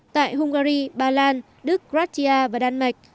tại hungary bà lan đức gratia và đan mạch